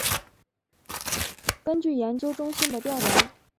根据研究中心的调研